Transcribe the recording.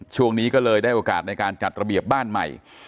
ช่วงนี้ก็เลยได้โอกาสในการจัดระเบียบบ้านใหม่